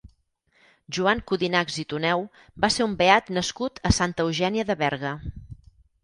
Joan Codinachs i Tuneu va ser un beat nascut a Santa Eugènia de Berga.